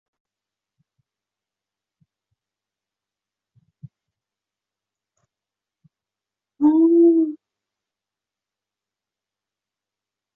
邮差温勇男殉职。